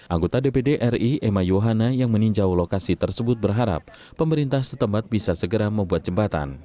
anggota dpd ri emma yohana yang meninjau lokasi tersebut berharap pemerintah setempat bisa segera membuat jembatan